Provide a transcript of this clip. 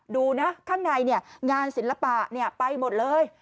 ดูนะข้างในงานศิลปะไปหมดเลย